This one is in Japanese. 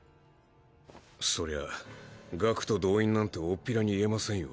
そりゃあ学徒動員なんて大っぴらに言えませんよ。